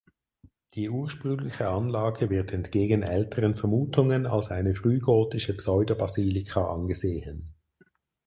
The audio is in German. Die ursprüngliche Anlage wird entgegen älteren Vermutungen als eine frühgotische Pseudobasilika angesehen.